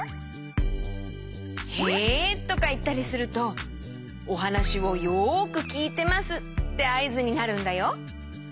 「へ」とかいったりするとおはなしをよくきいてますってあいずになるんだよ。